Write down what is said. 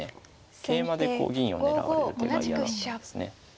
桂馬でこう銀を狙われる手が嫌だったんですね。